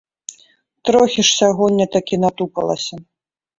Трохі ж сягоння такі натупалася.